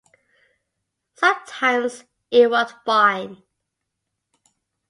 Sometimes it worked fine.